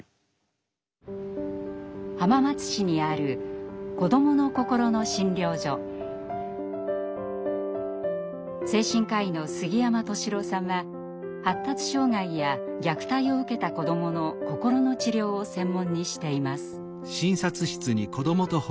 浜松市にある精神科医の杉山登志郎さんは発達障害や虐待を受けた子どもの心の治療を専門にしています。